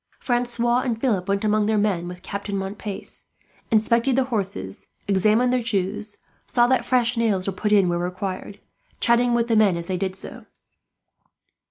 Francois and Philip went among their men with Captain Montpace, inspected the horses, examined their shoes, saw that fresh nails were put in where required, chatting with the men as they did so.